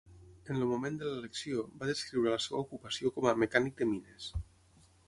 En el moment de l'elecció, va descriure la seva ocupació com a "mecànic de mines".